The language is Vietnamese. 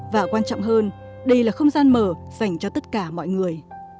và quan trọng hơn đây là không gian mở dành cho tất cả mọi người